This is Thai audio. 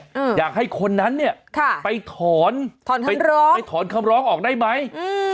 อยากให้คนนั้นเนี้ยค่ะไปถอนถอนคำไปร้องไปถอนคำร้องออกได้ไหมอืม